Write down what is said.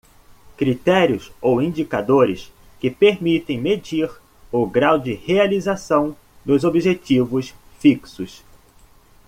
Critérios ou indicadores que permitem medir o grau de realização dos objetivos fixos.